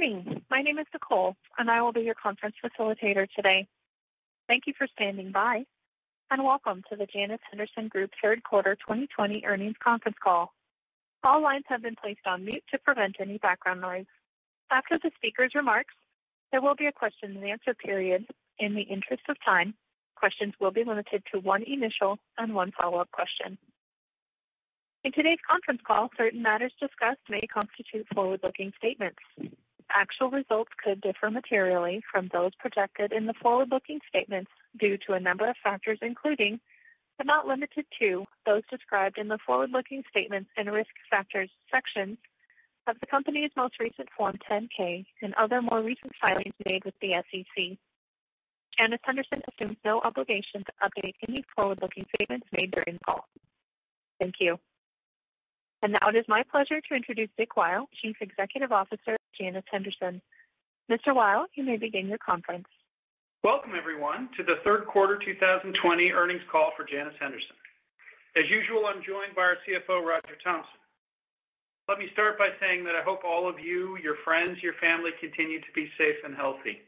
Good morning. My name is Nicole, I will be your conference facilitator today. Thank you for standing by, welcome to the Janus Henderson Group Third Quarter 2020 Earnings Conference Call. All lines have been placed on mute to prevent any background noise. After the speaker's remarks, there will be a question and answer period. In the interest of time, questions will be limited to one initial and one follow-up question. In today's conference call, certain matters discussed may constitute forward-looking statements. Actual results could differ materially from those projected in the forward-looking statements due to a number of factors, including, but not limited to, those described in the forward-looking statements and risk factors section of the company's most recent Form 10-K and other more recent filings made with the SEC. Janus Henderson assumes no obligation to update any forward-looking statements made during the call. Thank you. Now it is my pleasure to introduce Dick Weil, Chief Executive Officer of Janus Henderson. Mr. Weil, you may begin your conference. Welcome, everyone, to the third quarter 2020 earnings call for Janus Henderson. As usual, I'm joined by our CFO, Roger Thompson. Let me start by saying that I hope all of you, your friends, your family, continue to be safe and healthy.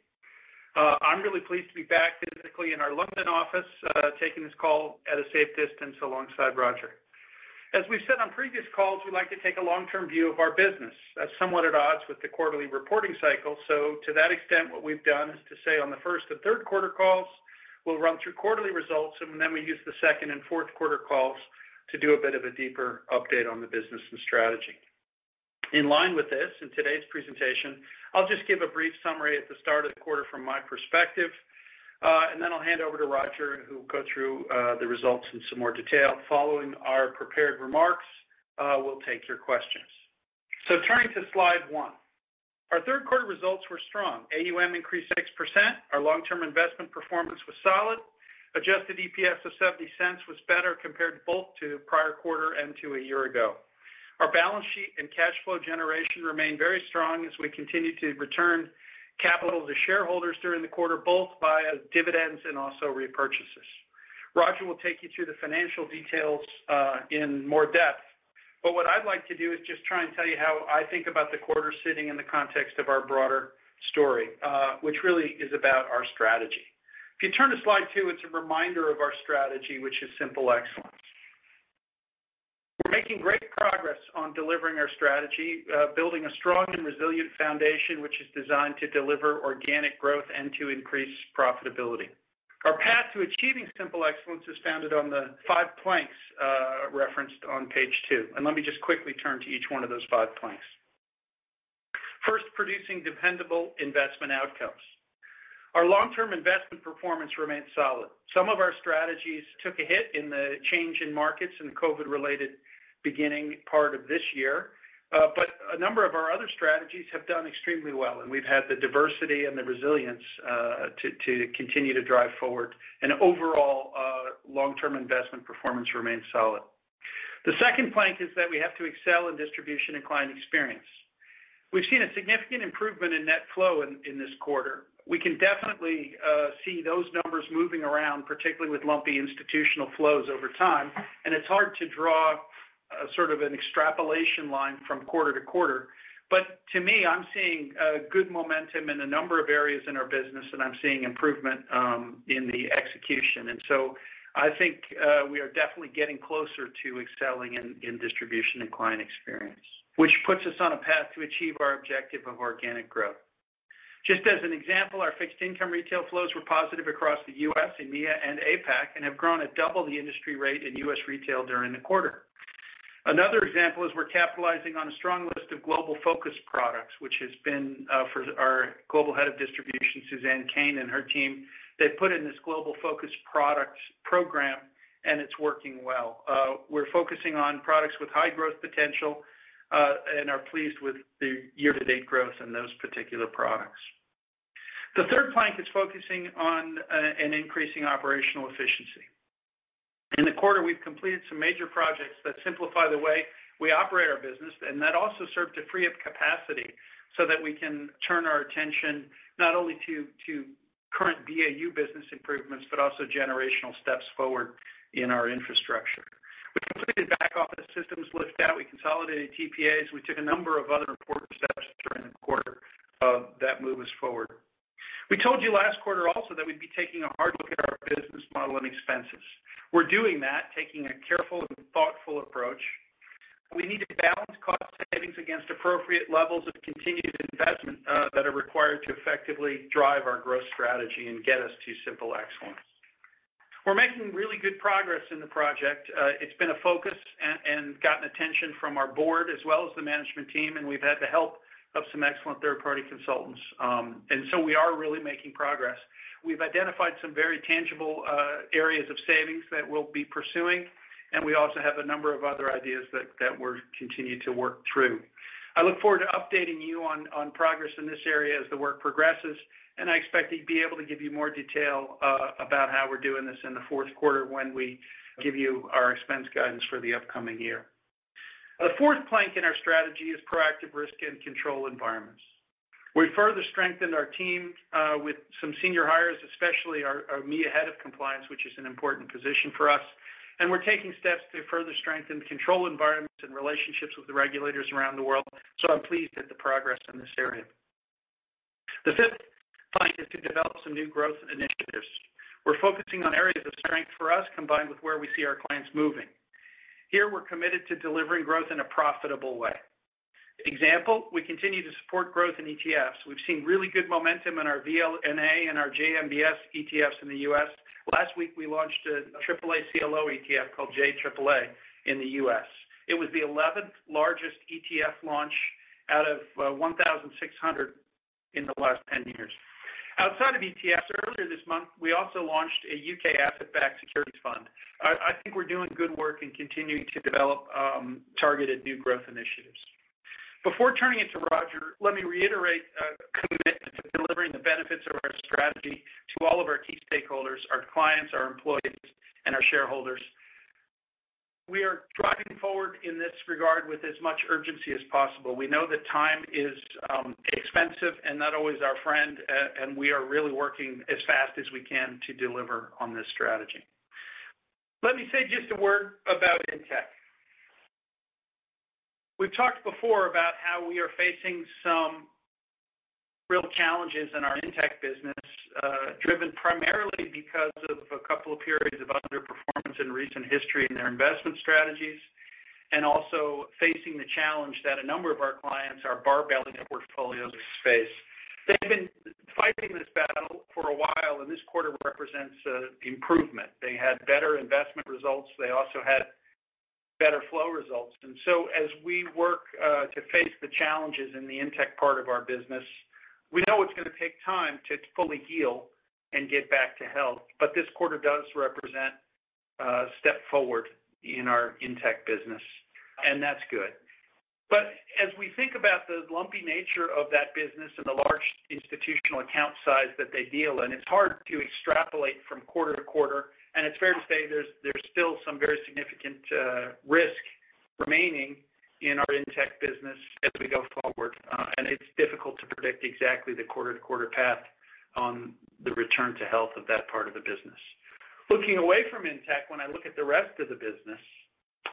I'm really pleased to be back physically in our London office, taking this call at a safe distance alongside Roger. As we've said on previous calls, we like to take a long-term view of our business. That's somewhat at odds with the quarterly reporting cycle. To that extent, what we've done is to say on the first and third quarter calls, we'll run through quarterly results, and then we use the second and fourth quarter calls to do a bit of a deeper update on the business and strategy. In line with this, in today's presentation, I'll just give a brief summary at the start of the quarter from my perspective, and then I'll hand over to Roger, who will go through the results in some more detail. Following our prepared remarks, we'll take your questions. Turning to slide one. Our third quarter results were strong. AUM increased 6%. Our long-term investment performance was solid. Adjusted EPS of $0.70 was better compared both to the prior quarter and to a year ago. Our balance sheet and cash flow generation remained very strong as we continued to return capital to shareholders during the quarter, both via dividends and also repurchases. Roger will take you through the financial details in more depth. What I'd like to do is just try and tell you how I think about the quarter sitting in the context of our broader story, which really is about our strategy. If you turn to slide two, it's a reminder of our strategy, which is simple excellence. We're making great progress on delivering our strategy, building a strong and resilient foundation, which is designed to deliver organic growth and to increase profitability. Our path to achieving simple excellence is founded on the five planks referenced on page two. Let me just quickly turn to each one of those five planks. First, producing dependable investment outcomes. Our long-term investment performance remains solid. Some of our strategies took a hit in the change in markets and COVID-related beginning part of this year. A number of our other strategies have done extremely well, and we've had the diversity and the resilience to continue to drive forward. Overall, long-term investment performance remains solid. The second plank is that we have to excel in distribution and client experience. We've seen a significant improvement in net flow in this quarter. We can definitely see those numbers moving around, particularly with lumpy institutional flows over time, and it's hard to draw sort of an extrapolation line from quarter-to-quarter. To me, I'm seeing good momentum in a number of areas in our business, and I'm seeing improvement in the execution. I think we are definitely getting closer to excelling in distribution and client experience. Which puts us on a path to achieve our objective of organic growth. Just as an example, our fixed income retail flows were positive across the U.S., EMEA, and APAC, and have grown at double the industry rate in U.S. retail during the quarter. Another example is we're capitalizing on a strong list of global focus products, which has been for our Global Head of Distribution, Suzanne Cain, and her team. They've put in this Global Focus Products Program, and it's working well. We're focusing on products with high growth potential, and are pleased with the year-to-date growth in those particular products. The third plank is focusing on an increasing operational efficiency. In the quarter, we've completed some major projects that simplify the way we operate our business, and that also serve to free up capacity so that we can turn our attention not only to current BAU business improvements, but also generational steps forward in our infrastructure. We completed back office systems lift out, we consolidated TPAs, we took a number of other important steps during the quarter that move us forward. We told you last quarter also that we'd be taking a hard look at our business model and expenses. We're doing that, taking a careful and thoughtful approach. We need to balance cost savings against appropriate levels of continued investment that are required to effectively drive our growth strategy and get us to simple excellence. We're making really good progress in the project. It's been a focus and gotten attention from our board as well as the management team, and we've had the help of some excellent third-party consultants. We are really making progress. We've identified some very tangible areas of savings that we'll be pursuing, and we also have a number of other ideas that we're continuing to work through. I look forward to updating you on progress in this area as the work progresses, and I expect to be able to give you more detail about how we're doing this in the fourth quarter when we give you our expense guidance for the upcoming year. The fourth plank in our strategy is proactive risk and control environments. We further strengthened our team with some senior hires, especially our EMEA Head of Compliance, which is an important position for us. We're taking steps to further strengthen the control environment and relationships with the regulators around the world. I'm pleased at the progress in this area. The fifth point is to develop some new growth initiatives. We're focusing on areas of strength for us, combined with where we see our clients moving. Here, we're committed to delivering growth in a profitable way. Example, we continue to support growth in ETFs. We've seen really good momentum in our VNLA and our JMBS ETFs in the U.S. Last week we launched a AAA CLO ETF called JAAA in the U.S. It was the 11th largest ETF launch out of 1,600 in the last 10 years. Outside of ETFs, earlier this month, we also launched a U.K. asset-backed securities fund. I think we're doing good work in continuing to develop targeted new growth initiatives. Before turning it to Roger, let me reiterate a commitment to delivering the benefits of our strategy to all of our key stakeholders, our clients, our employees, and our shareholders. We are driving forward in this regard with as much urgency as possible. We know that time is expensive and not always our friend, and we are really working as fast as we can to deliver on this strategy. Let me say just a word about Intech. We've talked before about how we are facing some real challenges in our Intech business, driven primarily because of a couple of periods of underperformance in recent history in their investment strategies, and also facing the challenge that a number of our clients are barbelling their portfolios of space. They've been fighting this battle for a while. This quarter represents improvement. They had better investment results. They also had better flow results. As we work to face the challenges in the Intech part of our business, we know it's going to take time to fully heal and get back to health. This quarter does represent a step forward in our Intech business, and that's good. As we think about the lumpy nature of that business and the large institutional account size that they deal in, it's hard to extrapolate from quarter-to-quarter, and it's fair to say there's still some very significant risk remaining in our Intech business as we go forward. It's difficult to predict exactly the quarter-to-quarter path on the return to health of that part of the business. Looking away from Intech, when I look at the rest of the business,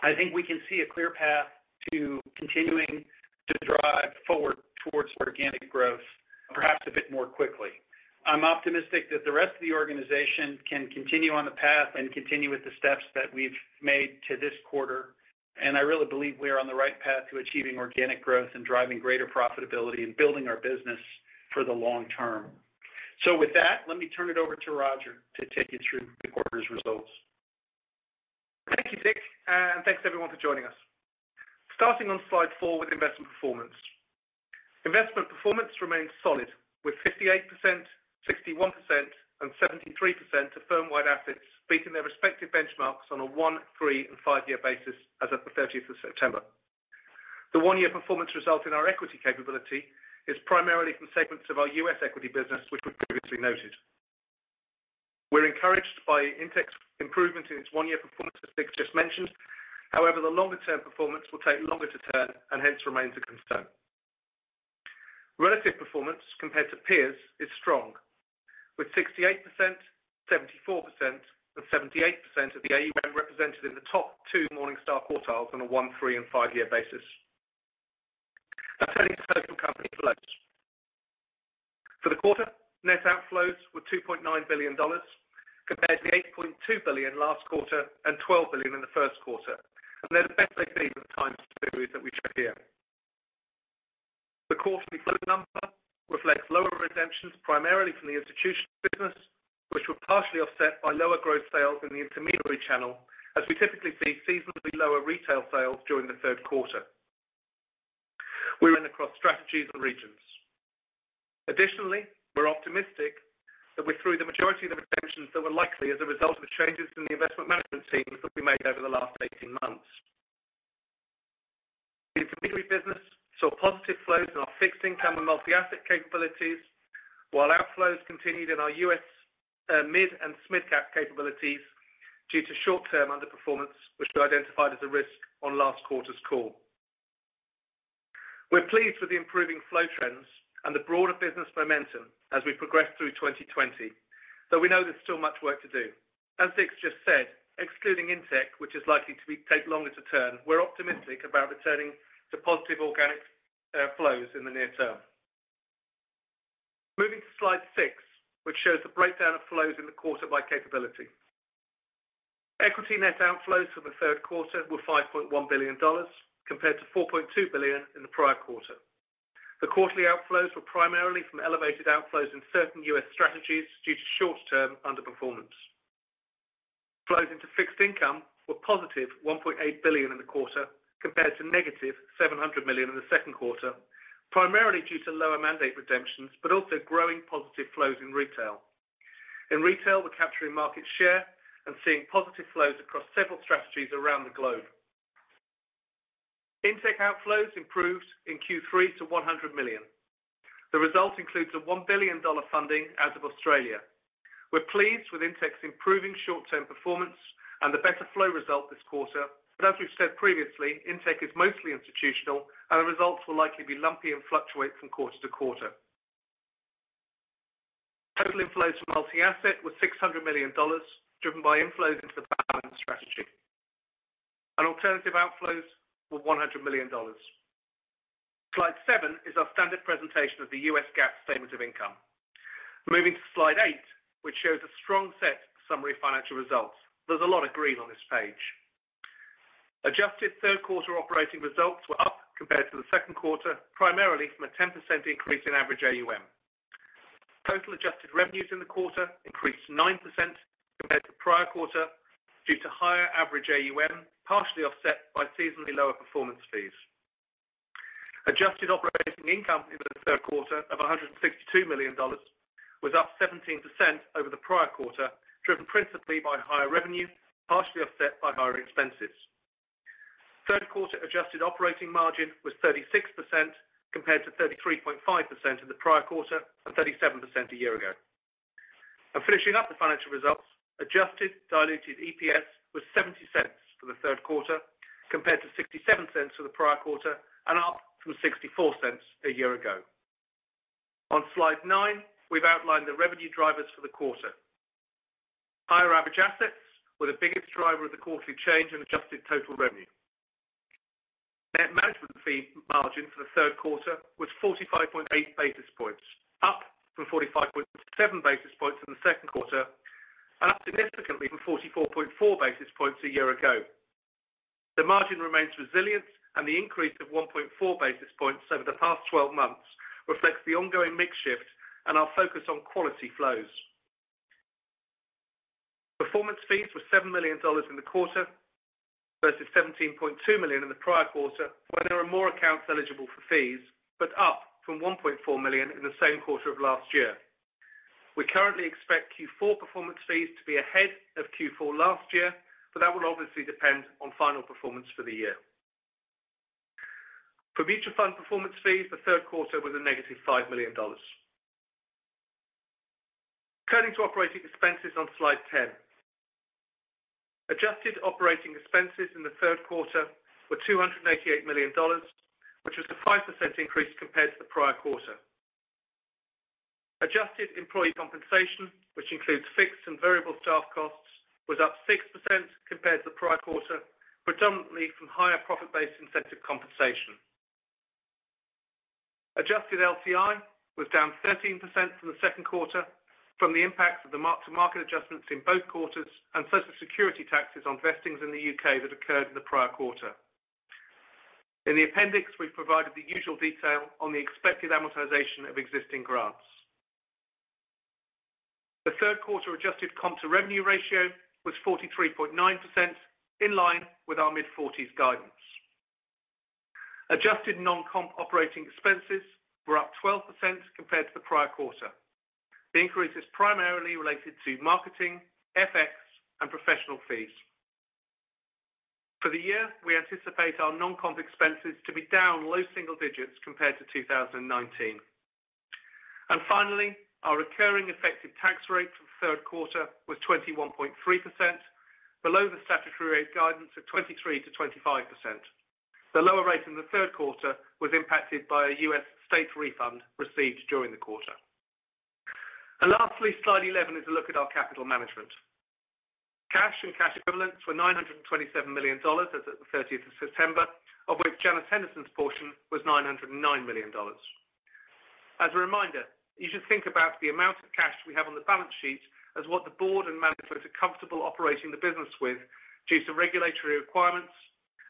I think we can see a clear path to continuing to drive forward towards organic growth perhaps a bit more quickly. I'm optimistic that the rest of the organization can continue on the path and continue with the steps that we've made to this quarter, and I really believe we are on the right path to achieving organic growth and driving greater profitability and building our business for the long term. With that, let me turn it over to Roger to take you through the quarter's results. Thank you, Dick, and thanks everyone for joining us. Starting on slide four with investment performance. Investment performance remained solid with 58%, 61% and 73% of firm-wide assets beating their respective benchmarks on a one, three and five-year basis as of the 30th of September. The one-year performance result in our equity capability is primarily from segments of our U.S. equity business, which we previously noted. We're encouraged by Intech's improvement in its one-year performance as Dick just mentioned. However, the longer-term performance will take longer to turn and hence remains a concern. Relative performance compared to peers is strong, with 68%, 74% and 78% of the AUM represented in the top two Morningstar quartiles on a one, three and five-year basis. Let's turn to total company flows. For the quarter, net outflows were $2.9 billion, compared to $8.2 billion last quarter and $12 billion in the first quarter, and they're the best they've been in the time series that we show here. The quarterly flow number reflects lower redemptions primarily from the institutional business, which were partially offset by lower growth sales in the intermediary channel, as we typically see seasonally lower retail sales during the third quarter. We win across strategies and regions. Additionally, we're optimistic that we're through the majority of the redemptions that were likely as a result of changes in the investment management teams that we made over the last 18 months. The intermediary business saw positive flows in our fixed income and multi-asset capabilities, while outflows continued in our U.S. mid and SMID-cap capabilities due to short-term underperformance, which we identified as a risk on last quarter's call. We're pleased with the improving flow trends and the broader business momentum as we progress through 2020, though we know there's still much work to do. As Dick just said, excluding Intech, which is likely to take longer to turn, we're optimistic about returning to positive organic flows in the near term. Moving to slide six, which shows the breakdown of flows in the quarter by capability. Equity net outflows for the third quarter were $5.1 billion, compared to $4.2 billion in the prior quarter. The quarterly outflows were primarily from elevated outflows in certain U.S. strategies due to short-term underperformance. Flows into fixed income were positive $1.8 billion in the quarter, compared to negative $700 million in the second quarter, primarily due to lower mandate redemptions, but also growing positive flows in retail. In retail, we're capturing market share and seeing positive flows across several strategies around the globe. Intech outflows improved in Q3 to $100 million. The result includes a $1 billion funding out of Australia. We're pleased with Intech's improving short-term performance and the better flow result this quarter. As we've said previously, Intech is mostly institutional and the results will likely be lumpy and fluctuate from quarter-to-quarter. total inflows to multi-asset were $600 million, driven by inflows into the balanced strategy. Alternative outflows were $100 million. Slide seven is our standard presentation of the US GAAP statement of income. Moving to slide eight, which shows a strong set of summary financial results. There's a lot of green on this page. Adjusted third quarter operating results were up compared to the second quarter, primarily from a 10% increase in average AUM. Total adjusted revenues in the quarter increased 9% compared to prior quarter due to higher average AUM, partially offset by seasonally lower performance fees. Adjusted operating income in the third quarter of $162 million was up 17% over the prior quarter, driven principally by higher revenue, partially offset by higher expenses. Third quarter adjusted operating margin was 36% compared to 33.5% in the prior quarter and 37% a year ago. Finishing up the financial results, adjusted diluted EPS was $0.70 for the third quarter, compared to $0.67 for the prior quarter and up from $0.64 a year ago. On slide nine, we've outlined the revenue drivers for the quarter. Higher average assets were the biggest driver of the quarterly change in adjusted total revenue. Net management fee margin for the third quarter was 45.8 basis points, up from 45.7 basis points in the second quarter and up significantly from 44.4 basis points a year ago. The margin remains resilient and the increase of 1.4 basis points over the past 12 months reflects the ongoing mix shift and our focus on quality flows. Performance fees were $7 million in the quarter versus $17.2 million in the prior quarter, where there are more accounts eligible for fees, but up from $1.4 million in the same quarter of last year. We currently expect Q4 performance fees to be ahead of Q4 last year, but that will obviously depend on final performance for the year. For mutual fund performance fees, the third quarter was a negative $5 million. Turning to operating expenses on slide 10. Adjusted operating expenses in the third quarter were $288 million, which was a 5% increase compared to the prior quarter. Adjusted employee compensation, which includes fixed and variable staff costs, was up 6% compared to the prior quarter, predominantly from higher profit-based incentive compensation. Adjusted LTI was down 13% from the second quarter from the impacts of the mark-to-market adjustments in both quarters and Social Security taxes on vestings in the U.K. that occurred in the prior quarter. In the appendix, we've provided the usual detail on the expected amortization of existing grants. The third quarter adjusted comp to revenue ratio was 43.9%, in line with our mid-40s guidance. Adjusted non-comp operating expenses were up 12% compared to the prior quarter. The increase is primarily related to marketing, FX, and professional fees. For the year, we anticipate our non-comp expenses to be down low single digits compared to 2019. Finally, our recurring effective tax rate for the third quarter was 21.3%, below the statutory rate guidance of 23%-25%. The lower rate in the third quarter was impacted by a U.S. state refund received during the quarter. Lastly, slide 11 is a look at our capital management. Cash and cash equivalents were $927 million as of the 30th of September, of which Janus Henderson's portion was $909 million. As a reminder, you should think about the amount of cash we have on the balance sheet as what the board and management are comfortable operating the business with due to regulatory requirements,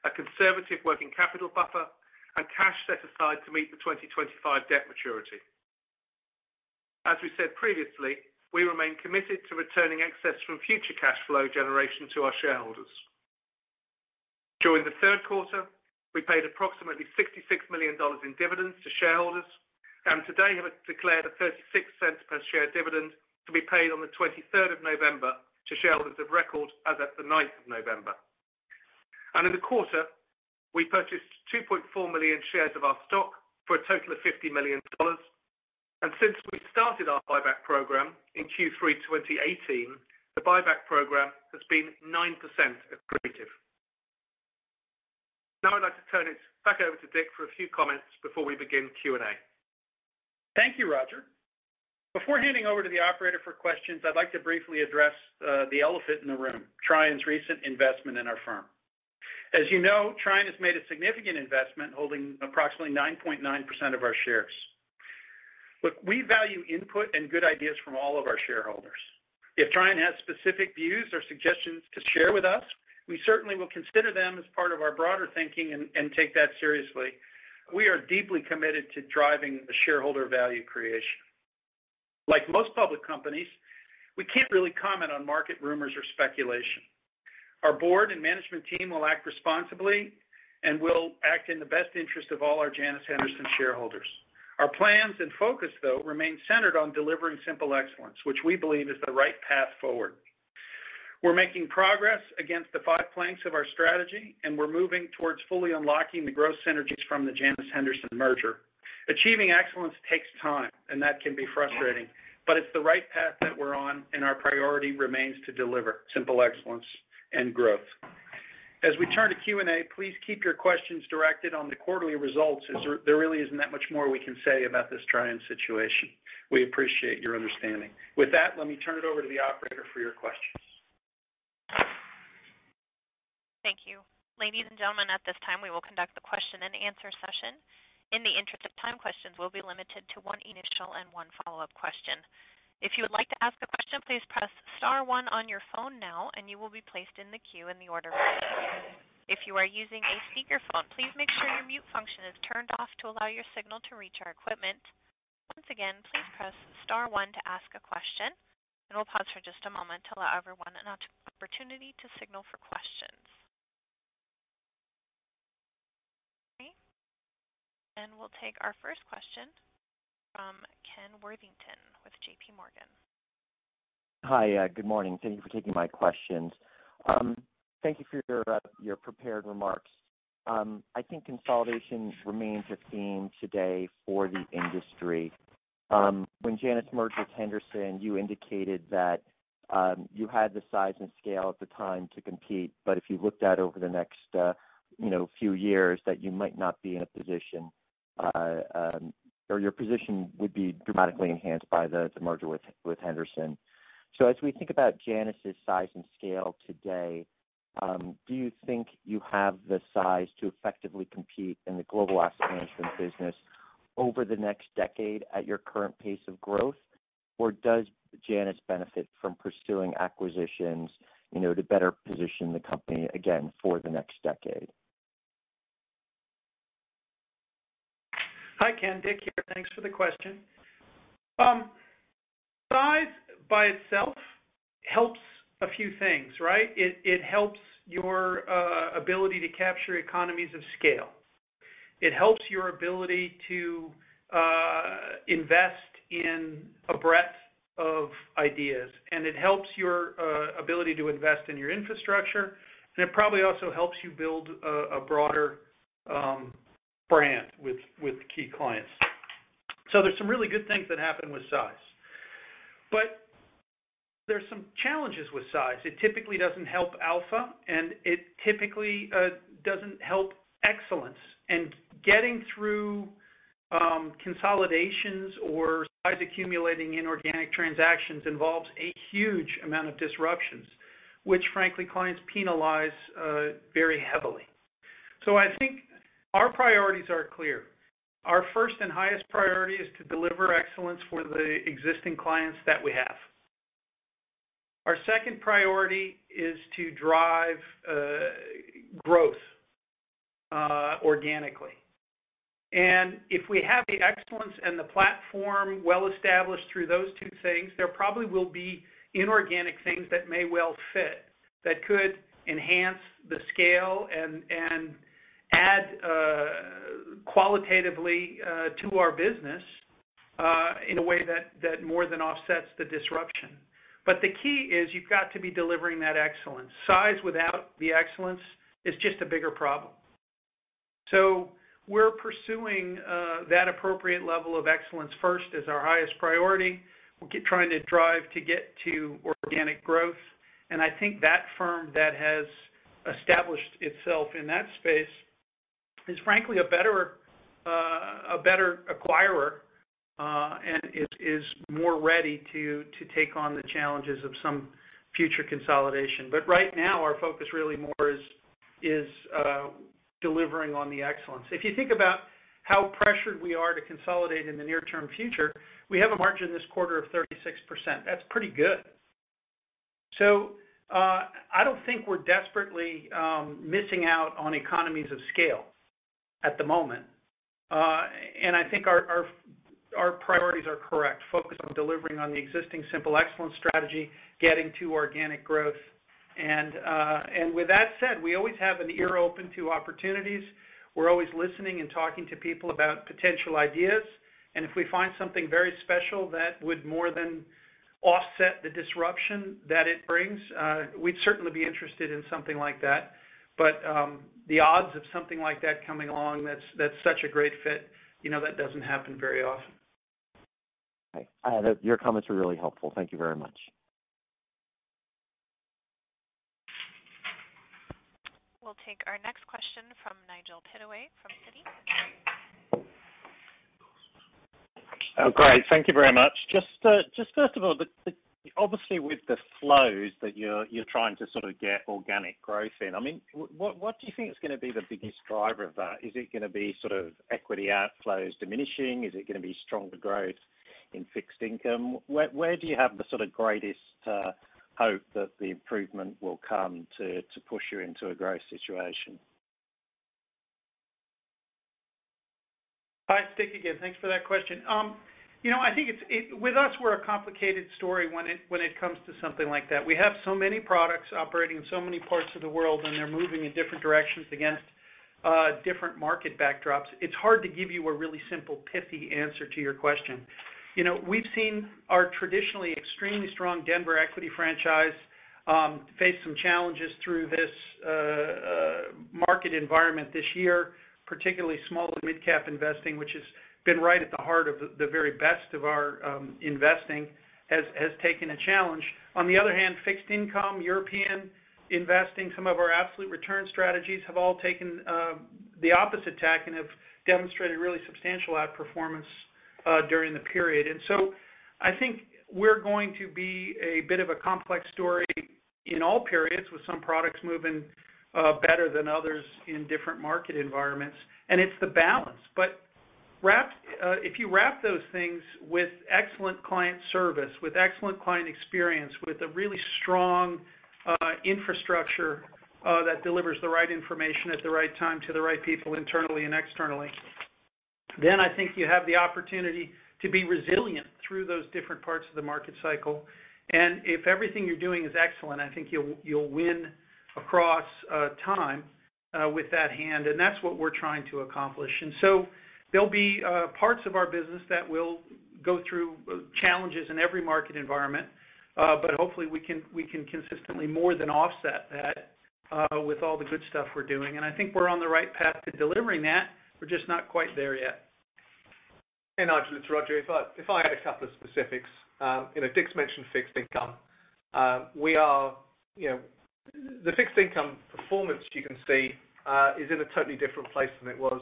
a conservative working capital buffer, and cash set aside to meet the 2025 debt maturity. As we said previously, we remain committed to returning excess from future cash flow generation to our shareholders. During the third quarter, we paid approximately $66 million in dividends to shareholders and today have declared a $0.36 per share dividend to be paid on the 23rd of November to shareholders of record as at the 9th of November. In the quarter, we purchased 2.4 million shares of our stock for a total of $50 million. Since we started our buyback program in Q3 2018, the buyback program has been 9% accretive. I'd like to turn it back over to Dick for a few comments before we begin Q&A. Thank you, Roger. Before handing over to the operator for questions, I'd like to briefly address the elephant in the room, Trian's recent investment in our firm. As you know, Trian has made a significant investment, holding approximately 9.9% of our shares. Look, we value input and good ideas from all of our shareholders. If Trian has specific views or suggestions to share with us, we certainly will consider them as part of our broader thinking and take that seriously. We are deeply committed to driving shareholder value creation. Like most public companies, we can't really comment on market rumors or speculation. Our board and management team will act responsibly and will act in the best interest of all our Janus Henderson shareholders. Our plans and focus, though, remain centered on delivering simple excellence, which we believe is the right path forward. We're making progress against the five planks of our strategy, and we're moving towards fully unlocking the growth synergies from the Janus Henderson merger. Achieving excellence takes time, and that can be frustrating, but it's the right path that we're on, and our priority remains to deliver simple excellence and growth. As we turn to Q&A, please keep your questions directed on the quarterly results, as there really isn't that much more we can say about this Trian situation. We appreciate your understanding. With that, let me turn it over to the operator for your questions. Thank you. Ladies and gentlemen, at this time we will conduct the question and answer session. In the interest of time, questions will be limited to one initial and one follow-up question. If you would like to ask a question, please press star one on your phone now and you will be placed in the queue in the order received. If you are using a speakerphone, please make sure your mute function is turned off to allow your signal to reach our equipment. Once again, please press star one to ask a question, and we'll pause for just a moment to allow everyone an opportunity to signal for questions. Okay. We'll take our first question from Ken Worthington with JPMorgan. Hi, good morning. Thank you for taking my questions. Thank you for your prepared remarks. I think consolidation remains a theme today for the industry. When Janus merged with Henderson, you indicated that you had the size and scale at the time to compete, but if you looked out over the next few years, that you might not be in a position, or your position would be dramatically enhanced by the merger with Henderson. As we think about Janus' size and scale today, do you think you have the size to effectively compete in the global asset management business over the next decade at your current pace of growth? Does Janus benefit from pursuing acquisitions, to better position the company again for the next decade? Hi, Ken. Dick here. Thanks for the question. Size by itself helps a few things, right? It helps your ability to capture economies of scale. It helps your ability to invest in a breadth of ideas, and it helps your ability to invest in your infrastructure. It probably also helps you build a broader brand with key clients. There's some really good things that happen with size. There's some challenges with size. It typically doesn't help alpha, and it typically doesn't help excellence. Getting through consolidations or size accumulating inorganic transactions involves a huge amount of disruptions, which frankly clients penalize very heavily. I think our priorities are clear. Our first and highest priority is to deliver excellence for the existing clients that we have. Our second priority is to drive growth organically. If we have the excellence and the platform well established through those two things, there probably will be inorganic things that may well fit, that could enhance the scale and add qualitatively to our business, in a way that more than offsets the disruption. The key is you've got to be delivering that excellence. Size without the excellence is just a bigger problem. We're pursuing that appropriate level of excellence first as our highest priority. We'll keep trying to drive to get to organic growth. I think that firm that has established itself in that space is frankly a better acquirer, and is more ready to take on the challenges of some future consolidation. Right now, our focus really more is delivering on the excellence. If you think about how pressured we are to consolidate in the near-term future, we have a margin this quarter of 36%. That's pretty good. I don't think we're desperately missing out on economies of scale at the moment. I think our priorities are correct, focused on delivering on the existing simple excellence strategy, getting to organic growth. With that said, we always have an ear open to opportunities. We're always listening and talking to people about potential ideas. If we find something very special that would more than offset the disruption that it brings, we'd certainly be interested in something like that. The odds of something like that coming along that's such a great fit, that doesn't happen very often. Okay. Your comments were really helpful. Thank you very much. We'll take our next question from Nigel Pittaway from Citi. Oh, great. Thank you very much. Just first of all, obviously with the flows that you're trying to sort of get organic growth in, what do you think is going to be the biggest driver of that? Is it going to be equity outflows diminishing? Is it going to be stronger growth in fixed income? Where do you have the greatest hope that the improvement will come to push you into a growth situation? Hi, it's Dick again. Thanks for that question. With us, we're a complicated story when it comes to something like that. We have so many products operating in so many parts of the world, and they're moving in different directions against different market backdrops. It's hard to give you a really simple, pithy answer to your question. We've seen our traditionally extremely strong Denver equity franchise face some challenges through this market environment this year, particularly small and mid-cap investing, which has been right at the heart of the very best of our investing, has taken a challenge. On the other hand, fixed income, European investing, some of our absolute return strategies have all taken the opposite tack and have demonstrated really substantial outperformance during the period. I think we're going to be a bit of a complex story in all periods, with some products moving better than others in different market environments. It's the balance. If you wrap those things with excellent client service, with excellent client experience, with a really strong infrastructure that delivers the right information at the right time to the right people internally and externally, then I think you have the opportunity to be resilient through those different parts of the market cycle. If everything you're doing is excellent, I think you'll win across time with that hand. That's what we're trying to accomplish. There'll be parts of our business that will go through challenges in every market environment. Hopefully we can consistently more than offset that with all the good stuff we're doing. I think we're on the right path to delivering that. We're just not quite there yet. Nigel, it's Roger. If I add a couple of specifics. Dick mentioned fixed income. The fixed-income performance you can see is in a totally different place than it was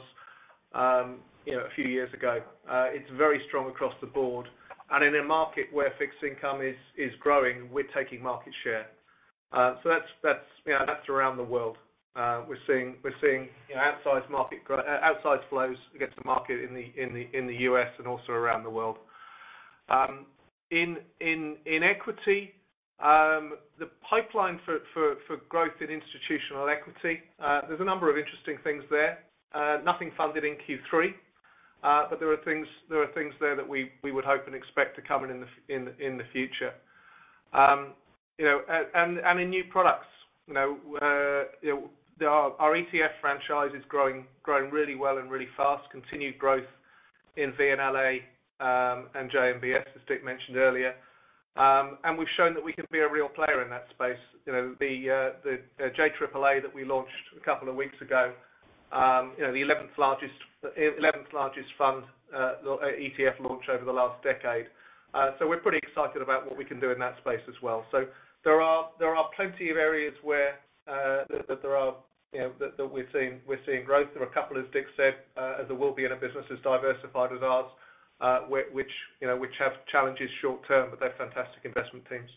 a few years ago. It's very strong across the board. In a market where fixed income is growing, we're taking market share. That's around the world. We're seeing outsized flows against the market in the U.S. and also around the world. In equity, the pipeline for growth in institutional equity, there's a number of interesting things there. Nothing funded in Q3. There are things there that we would hope and expect to come in the future. In new products, our ETF franchise is growing really well and really fast. Continued growth in VNLA and JMBS, as Dick mentioned earlier. We've shown that we can be a real player in that space. The JAAA that we launched a couple of weeks ago, the 11th largest fund ETF launch over the last decade. We're pretty excited about what we can do in that space as well. There are plenty of areas where we're seeing growth. There are a couple, as Dick said, as there will be in a business as diversified as ours which have challenges short term, but they're fantastic investment teams.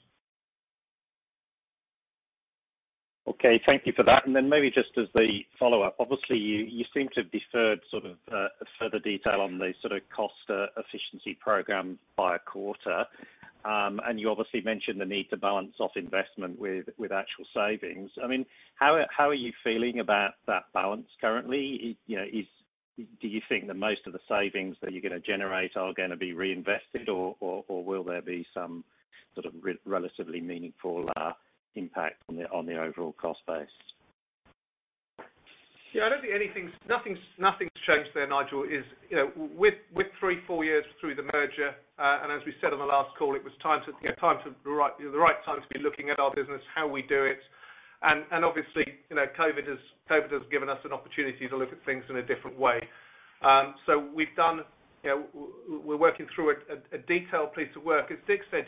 Okay, thank you for that. Maybe just as the follow-up. Obviously, you seem to have deferred further detail on the cost efficiency program by a quarter. You obviously mentioned the need to balance off investment with actual savings. How are you feeling about that balance currently? Do you think that most of the savings that you're going to generate are going to be reinvested, or will there be some sort of relatively meaningful impact on the overall cost base? Yeah, I don't think anything's changed there, Nigel. We're three, four years through the merger. As we said on the last call, it was the right time to be looking at our business, how we do it. Obviously, COVID has given us an opportunity to look at things in a different way. We're working through a detailed piece of work. As Dick said,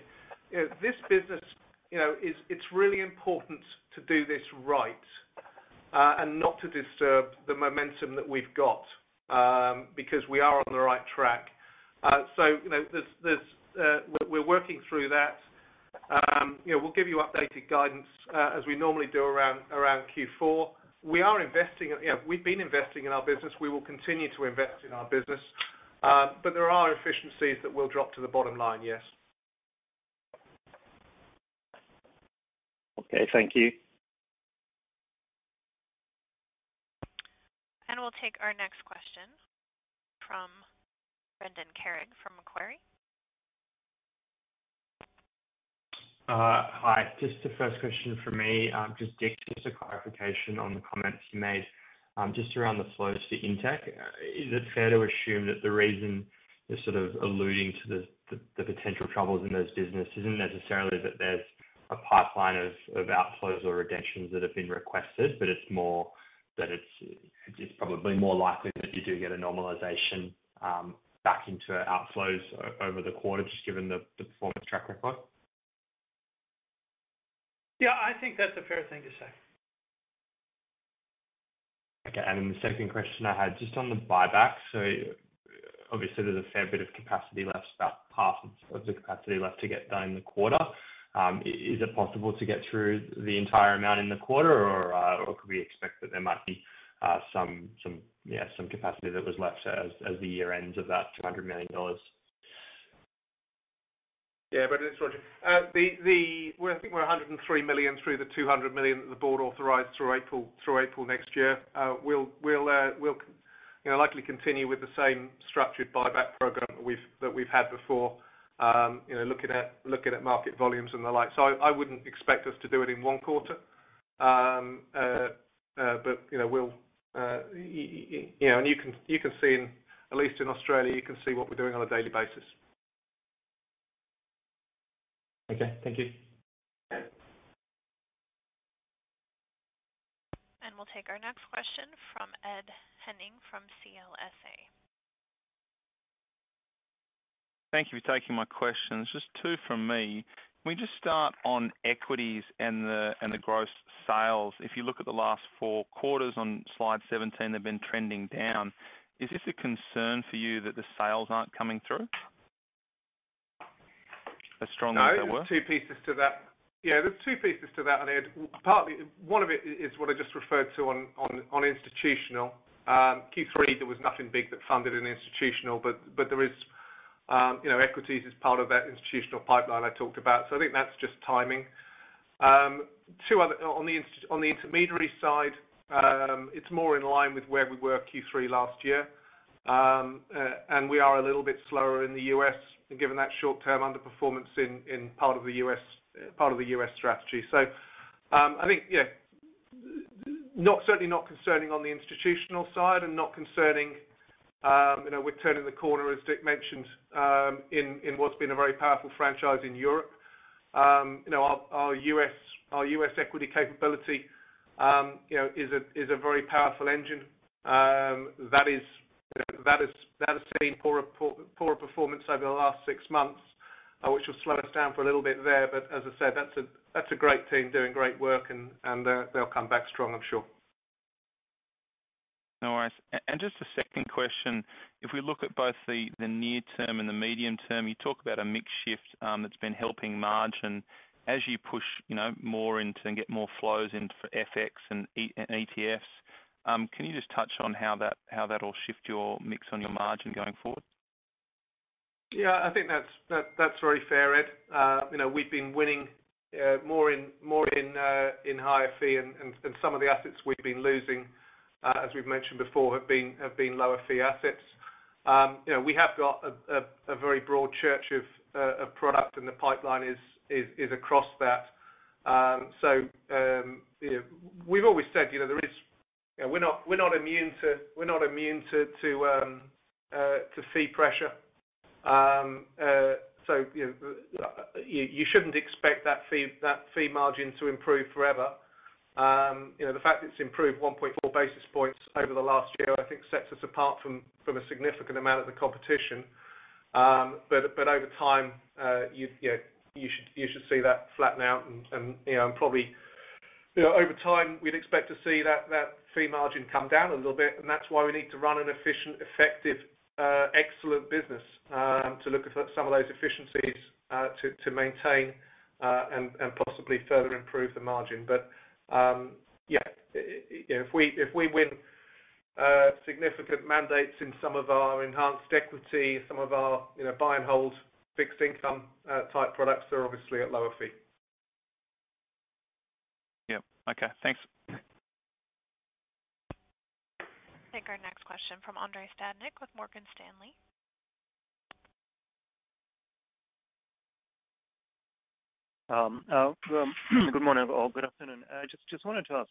this business, it's really important to do this right and not to disturb the momentum that we've got, because we are on the right track. We're working through that. We'll give you updated guidance as we normally do around Q4. We've been investing in our business. We will continue to invest in our business. There are efficiencies that will drop to the bottom line, yes. Okay, thank you. We'll take our next question from Brendan Carrig from Macquarie. Hi. Just the first question from me. Just, Dick, just a clarification on the comments you made just around the flows for Intech. Is it fair to assume that the reason you're alluding to the potential troubles in those businesses isn't necessarily that there's a pipeline of outflows or redemptions that have been requested, but it's probably more likely that you do get a normalization back into outflows over the quarter, just given the performance track record? Yeah, I think that's a fair thing to say. Okay. The second question I had, just on the buyback. Obviously there's a fair bit of capacity left, about half of the capacity left to get done in the quarter. Is it possible to get through the entire amount in the quarter, or could we expect that there might be some capacity that was left as the year ends of that $200 million? Yeah, Brendan, it's Roger. I think we're $103 million through the $200 million that the board authorized through April next year. We'll likely continue with the same structured buyback program that we've had before looking at market volumes and the like. I wouldn't expect us to do it in one quarter. You can see, at least in Australia, you can see what we're doing on a daily basis. Okay, thank you. We'll take our next question from Ed Henning from CLSA. Thank you for taking my questions. Just two from me. Can we just start on equities and the gross sales? If you look at the last four quarters on slide 17, they've been trending down. Is this a concern for you that the sales aren't coming through as strongly as they were? No, there's two pieces to that. Yeah, there's two pieces to that, Ed, one of it is what I just referred to on institutional. Q3, there was nothing big that funded in institutional, equities is part of that institutional pipeline I talked about. I think that's just timing. Two other, on the intermediary side, it's more in line with where we were Q3 last year. We are a little bit slower in the U.S., given that short-term underperformance in part of the U.S. strategy. I think, yeah, certainly not concerning on the institutional side and not concerning, we're turning the corner, as Dick mentioned, in what's been a very powerful franchise in Europe. Our U.S. equity capability is a very powerful engine. That has seen poorer performance over the last six months, which has slowed us down for a little bit there. As I said, that's a great team doing great work, and they'll come back strong, I'm sure. No worries. Just a second question. If we look at both the near term and the medium term, you talk about a mix shift that's been helping margin as you push more into and get more flows in for FX and ETFs. Can you just touch on how that'll shift your mix on your margin going forward? Yeah, I think that's very fair, Ed. We've been winning more in higher fee, and some of the assets we've been losing, as we've mentioned before, have been lower fee assets. We have got a very broad church of product, and the pipeline is across that. We've always said we're not immune to fee pressure. You shouldn't expect that fee margin to improve forever. The fact that it's improved 1.4 basis points over the last year, I think sets us apart from a significant amount of the competition. Over time, you should see that flatten out and probably over time, we'd expect to see that fee margin come down a little bit, and that's why we need to run an efficient, effective, excellent business to look at some of those efficiencies to maintain and possibly further improve the margin. Yeah, if we win significant mandates in some of our enhanced equity, some of our buy and hold fixed income type products that are obviously at lower fee. Yeah. Okay, thanks. Take our next question from Andrei Stadnik with Morgan Stanley. Good morning, all. Good afternoon. I just wanted to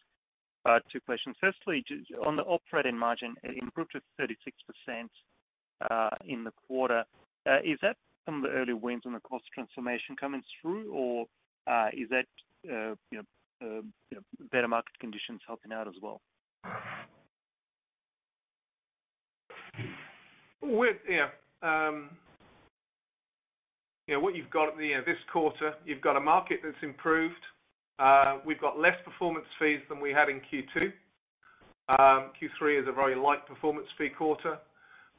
ask two questions. Firstly, on the operating margin, it improved to 36% in the quarter. Is that some of the early wins on the cost transformation coming through, or is that better market conditions helping out as well? Yeah. You've got this quarter, you've got a market that's improved. We've got less performance fees than we had in Q2. Q3 is a very light performance fee quarter.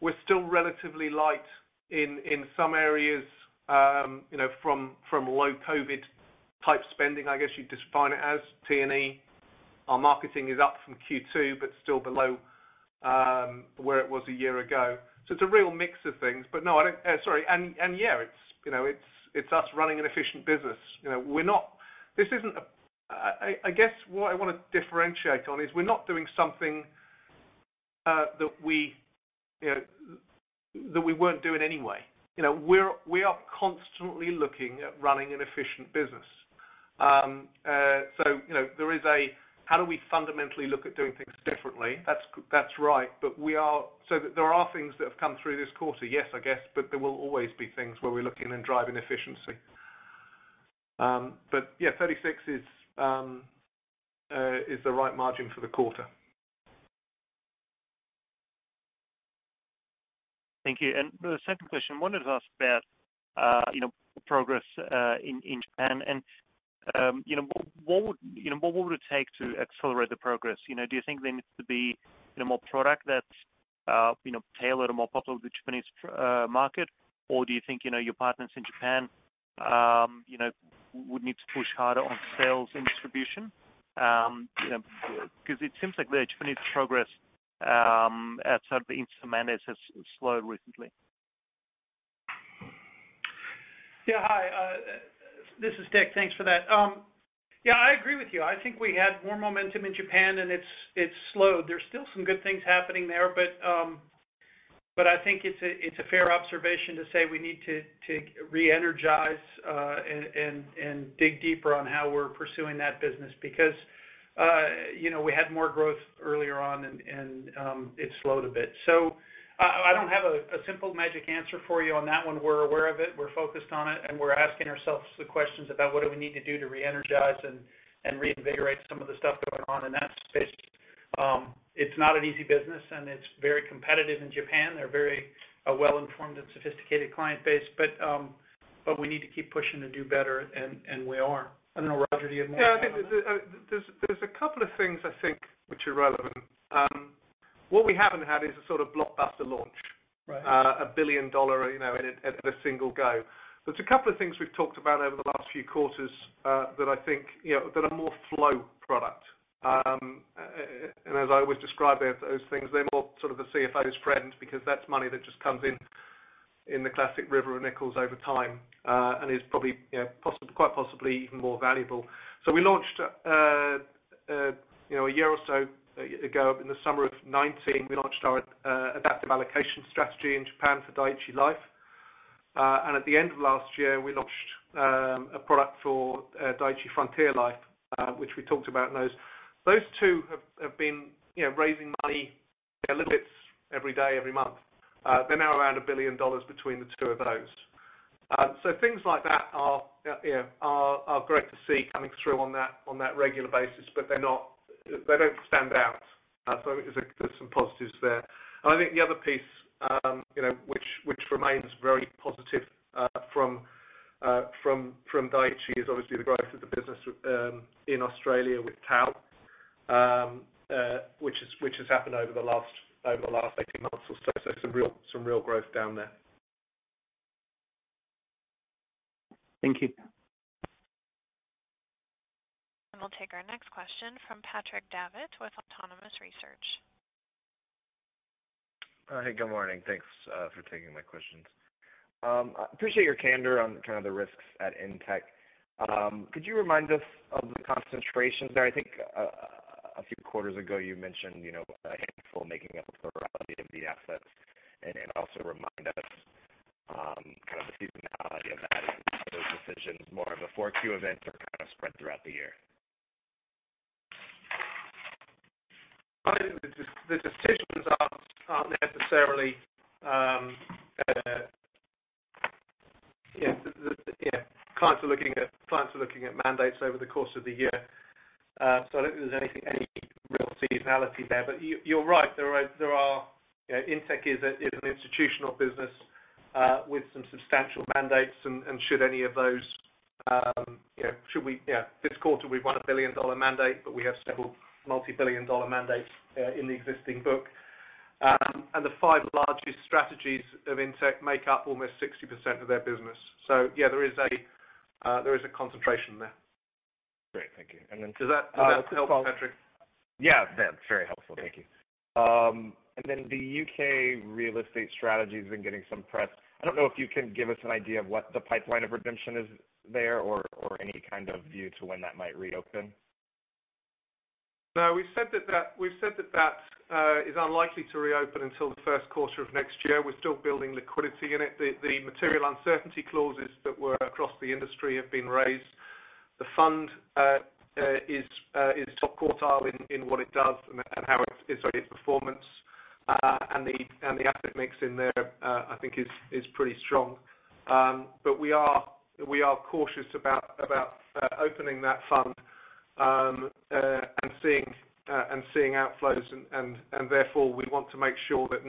We're still relatively light in some areas from low COVID type spending, I guess you'd define it as T&E. Our marketing is up from Q2 still below where it was a year ago. It's a real mix of things. No, Sorry. Yeah, it's us running an efficient business. I guess what I want to differentiate on is we're not doing something that we won't do in any way. We are constantly looking at running an efficient business. There is a how do we fundamentally look at doing things differently? That's right. There are things that have come through this quarter. Yes, I guess, but there will always be things where we're looking and driving efficiency. Yeah, 36% is the right margin for the quarter. Thank you. For the second question, wanted to ask about progress in Japan and what would it take to accelerate the progress? Do you think there needs to be more product that's tailored or more popular with the Japanese market, or do you think your partners in Japan would need to push harder on sales and distribution? Because it seems like the Japanese progress outside of the Intech mandates has slowed recently. Hi, this is Dick. Thanks for that. I agree with you. I think we had more momentum in Japan, and it's slowed. There's still some good things happening there, but I think it's a fair observation to say we need to re-energize and dig deeper on how we're pursuing that business because we had more growth earlier on, and it slowed a bit. I don't have a simple magic answer for you on that one. We're aware of it, we're focused on it, and we're asking ourselves the questions about what do we need to do to reenergize and reinvigorate some of the stuff going on in that space. It's not an easy business, and it's very competitive in Japan. They're a very well-informed and sophisticated client base. We need to keep pushing to do better, and we are. I don't know, Roger, do you have more to add on that? Yeah. I think there's a couple of things I think which are relevant. What we haven't had is a sort of blockbuster launch. Right. A $1 billion at a single go. There's a couple of things we've talked about over the last few quarters that I think are more flow product. As I always describe those things, they're more sort of the CFO's friend because that's money that just comes in the classic river of nickels over time, and is probably quite possibly even more valuable. We launched a year or so ago, in the summer of 2019, we launched our adaptive allocation strategy in Japan for Dai-ichi Life. At the end of last year, we launched a product for Dai-ichi Frontier Life, which we talked about. Those two have been raising money, little bits every day, every month. They're now around $1 billion between the two of those. Things like that are great to see coming through on that regular basis, but they don't stand out. There's some positives there. I think the other piece which remains very positive from Dai-ichi is obviously the growth of the business in Australia with TAL which has happened over the last 18 months or so. Some real growth down there. Thank you. We'll take our next question from Patrick Davitt with Autonomous Research. Hey, good morning. Thanks for taking my questions. I appreciate your candor on kind of the risks at Intech. Could you remind us of the concentrations there? I think a few quarters ago you mentioned a handful making up a plurality of the assets. Also remind us kind of the seasonality of that. Are those decisions more of a 4Q event or kind of spread throughout the year? I think the decisions aren't necessarily Yeah. Clients are looking at mandates over the course of the year. I don't think there's any real seasonality there. You're right. Intech is an institutional business with some substantial mandates, and should any of those This quarter we've won a billion-dollar mandate, but we have several multi-billion dollar mandates in the existing book. The five largest strategies of Intech make up almost 60% of their business. Yeah, there is a concentration there. Great. Thank you. Does that help, Patrick? Yeah. That's very helpful. Thank you. Then the U.K. real estate strategy has been getting some press. I don't know if you can give us an idea of what the pipeline of redemption is there or any kind of view to when that might reopen. No. We've said that that is unlikely to reopen until the first quarter of next year. We're still building liquidity in it. The material uncertainty clauses that were across the industry have been raised. The fund is top quartile in what it does and its performance. The asset mix in there, I think is pretty strong. We are cautious about opening that fund and seeing outflows, therefore we need to make sure that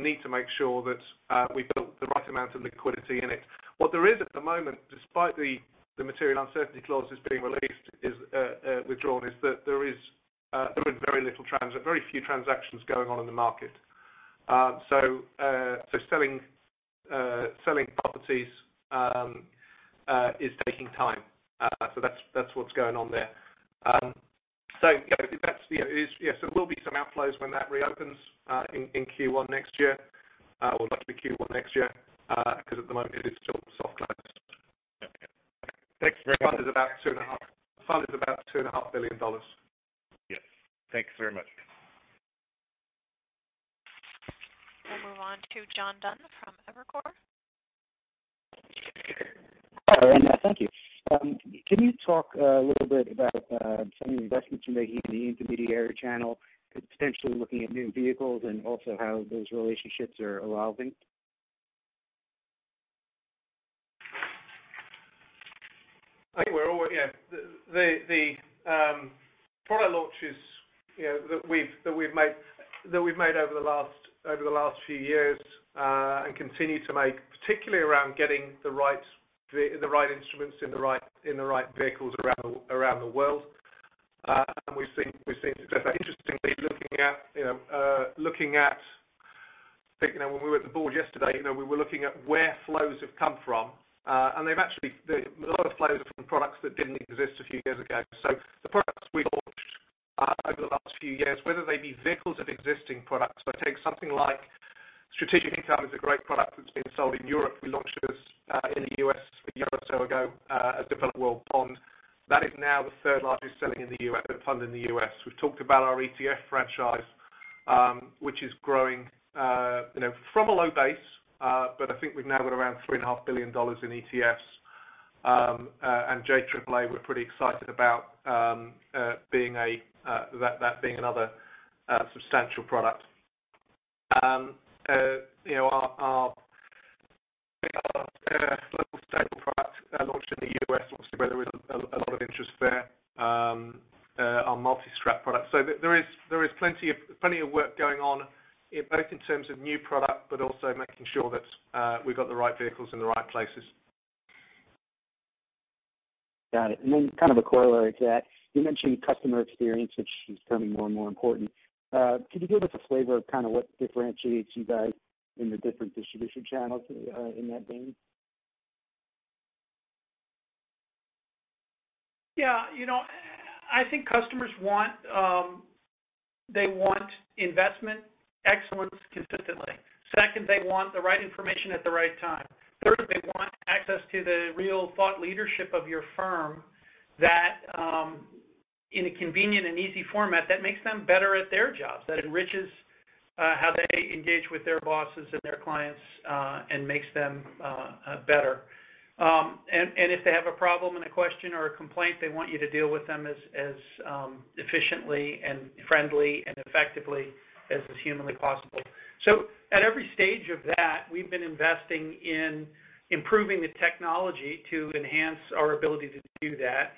we build the right amount of liquidity in it. What there is at the moment, despite the material uncertainty clauses being withdrawn, is that there have been very few transactions going on in the market. Selling properties is taking time. That's what's going on there. There will be some outflows when that reopens in Q1 next year. We'd like to be Q1 next year because at the moment it is still soft close. Okay. Thanks very much. The fund is about $2.5 billion. Yes. Thanks very much. I'll move on to John Dunn from Evercore. Hi. Thank you. Can you talk a little bit about some of the investments you're making in the intermediary channel, potentially looking at new vehicles and also how those relationships are evolving? The product launches that we've made over the last few years, and continue to make, particularly around getting the right instruments in the right vehicles around the world. We've seen success. Interestingly, when we were at the board yesterday, we were looking at where flows have come from. A lot of flows are from products that didn't exist a few years ago. The products we launched over the last few years, whether they be vehicles of existing products. Take something like Strategic Income, is a great product that's been sold in Europe. We launched this in the U.S. a year or so ago, a developed world bond. That is now the third-largest selling fund in the U.S. We've talked about our ETF franchise, which is growing from a low base. I think we've now got around $3.5 billion in ETFs and JAAA, we're pretty excited about that being another substantial product. Our biggest local staple product launched in the U.S., obviously, where there is a lot of interest there, our multi-strat product. There is plenty of work going on, both in terms of new product, but also making sure that we've got the right vehicles in the right places. Got it. Kind of a corollary to that, you mentioned customer experience, which is becoming more and more important. Could you give us a flavor of what differentiates you guys in the different distribution channels in that game? Yeah. I think customers want investment excellence consistently. Second, they want the right information at the right time. Third, they want access to the real thought leadership of your firm in a convenient and easy format that makes them better at their jobs, that enriches how they engage with their bosses and their clients, and makes them better. If they have a problem and a question or a complaint, they want you to deal with them as efficiently and friendly and effectively as is humanly possible. At every stage of that, we've been investing in improving the technology to enhance our ability to do that.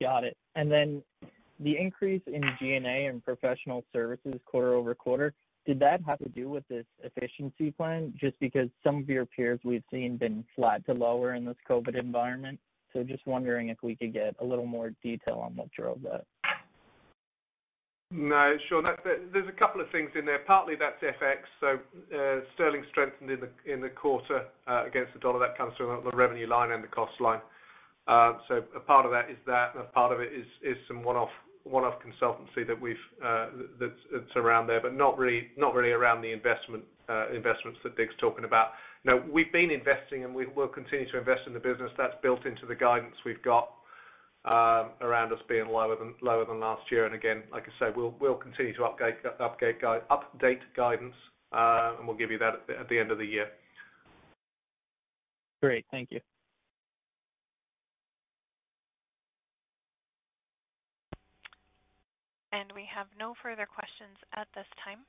Got it. The increase in G&A and professional services quarter-over-quarter, did that have to do with this efficiency plan? Just because some of your peers we've seen been flat to lower in this COVID environment. Just wondering if we could get a little more detail on what drove that. No, sure. There's a couple of things in there. Partly that's FX. Sterling strengthened in the quarter against the dollar. That comes through on the revenue line and the cost line. A part of that is that, and a part of it is some one-off consultancy that's around there, but not really around the investments that Dick's talking about. We've been investing, and we will continue to invest in the business. That's built into the guidance we've got around us being lower than last year. Again, like I say, we'll continue to update guidance, and we'll give you that at the end of the year. Great. Thank you. We have no further questions at this time.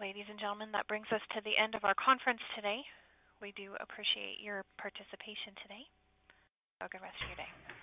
Ladies and gentlemen, that brings us to the end of our conference today. We do appreciate your participation today. Have a good rest of your day.